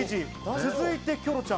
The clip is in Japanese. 続いてキョロちゃん。